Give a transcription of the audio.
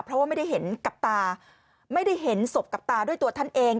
เพราะว่าไม่ได้เห็นกับตาไม่ได้เห็นศพกับตาด้วยตัวท่านเอง